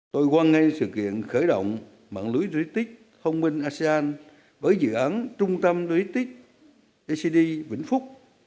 tôi quan ngay sự kiện khởi động mạng lưới rưới tích thông minh asean với dự án trung tâm lưới tích acd vĩnh phúc